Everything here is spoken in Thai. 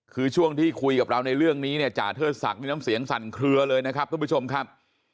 คือช่วงที่คุยกับเราในเรื่องนี้เนี่ยจ่าเทิดศักดิ์นี่น้ำเสียงสั่นเคลือเลยนะครับทุกผู้ชมครับ